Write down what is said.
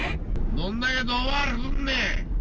どんだけ遠回りすんねん！